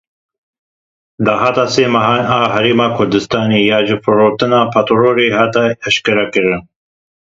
Dahata sê mehan a Herêma Kurdistanê ya ji firotina petrolê hat eşkrekirin.